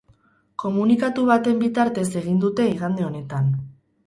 Komunikatu baten bitartez egin dute igande honetan.